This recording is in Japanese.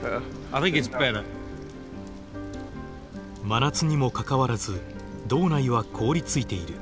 真夏にもかかわらず洞内は凍りついている。